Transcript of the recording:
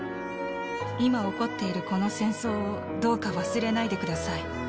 今起こっているこの戦争をどうか忘れないでください。